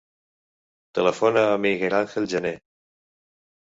Telefona al Miguel àngel Gene.